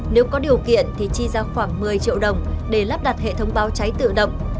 nếu có điều kiện thì chi ra khoảng một mươi triệu đồng để lắp đặt hệ thống báo cháy tự động